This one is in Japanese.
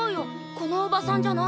このおばさんじゃない。